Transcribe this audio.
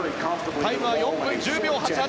タイムは４分１０秒８８。